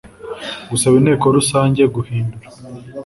Gusaba Inteko Rusange guhindura